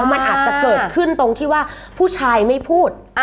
มันอาจจะเกิดขึ้นตรงที่ว่าผู้ชายไม่พูด